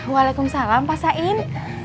waalaikumsalam pak sain